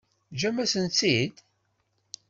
Teǧǧam-asent-t-id?